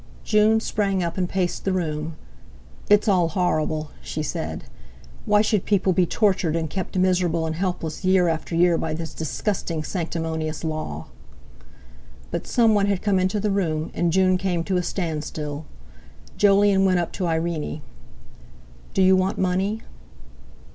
June sprang up and paced the room. "It's all horrible," she said. "Why should people be tortured and kept miserable and helpless year after year by this disgusting sanctimonious law?" But someone had come into the room, and June came to a standstill. Jolyon went up to Irene: "Do you want money?"